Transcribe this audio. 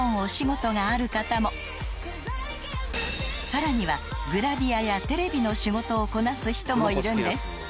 ［さらにはグラビアやテレビの仕事をこなす人もいるんです］